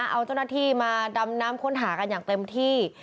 เอาเจ้าหน้าที่มาดำน้ำค้นหากันอย่างเต็มที่